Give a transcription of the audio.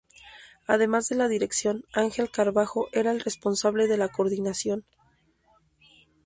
Además de la dirección, Ángel Carbajo era el responsable de la coordinación.